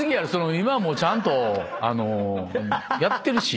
今もうちゃんとやってるし。